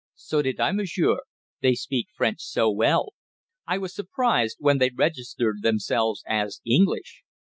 "So did I, monsieur; they speak French so well. I was surprised when they registered themselves as English."